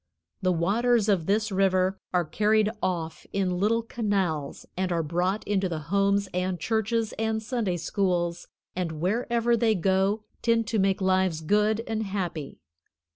The waters of this river are carried off in little canals, and are brought into the homes and churches and Sunday schools; and wherever they go tend to make lives good and happy.